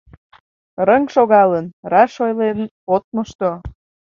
Рыҥ шогалын, раш ойлен от мошто